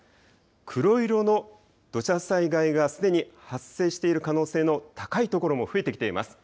黒色の土砂災害がすでに発生している可能性の高い所も増えてきています。